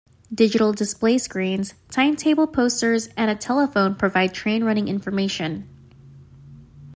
Digital display screens, timetable posters and a telephone provide train running information.